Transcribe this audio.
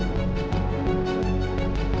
berartimu satu foto kita